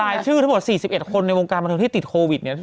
ลายชื่อถูกบอก๔๑คนในวงการบันทึกที่ติดโควิดเนี่ย